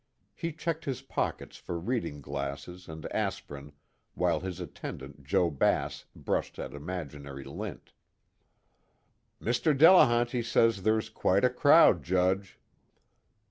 He checked his pockets for reading glasses and aspirin while his attendant Joe Bass brushed at imaginary lint. "Mr. Delehanty says there's quite a crowd, Judge."